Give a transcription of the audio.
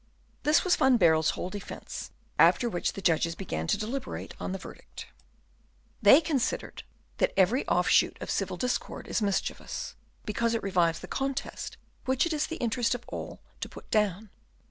This was Van Baerle's whole defence; after which the judges began to deliberate on the verdict. They considered that every offshoot of civil discord is mischievous, because it revives the contest which it is the interest of all to put down.